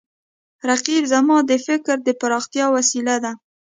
رقیب زما د فکر د پراختیا وسیله ده